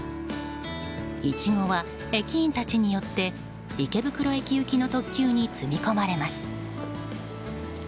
イチゴは駅員たちによって池袋駅行きの特急に積み込まれます。